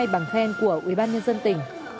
hai mươi hai bằng khen của ubnd tỉnh